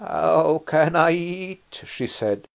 "How can I eat?" she said.